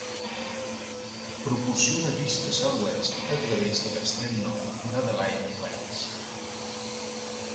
Proporciona vistes a l'oest a través de l'extrem nord d'Adelaide Plains.